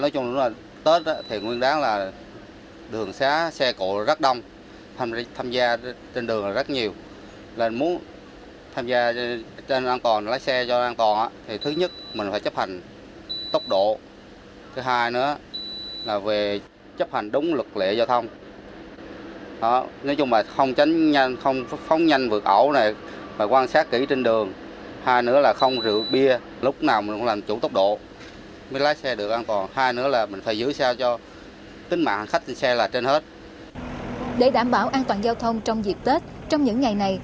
để đảm bảo an toàn giao thông trong dịp tết trong những ngày này